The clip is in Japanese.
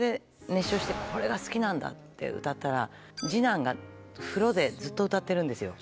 これが好きなんだって歌ったら次男が風呂でずっと歌ってるんですよ。